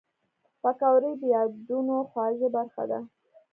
پکورې د یادونو خواږه برخه ده